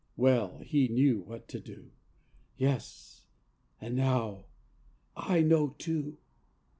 Well, he knew what to do, Yes, and now I know too.